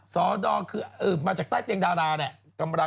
สดอคือมาจากใต้เตียงดาราแหละ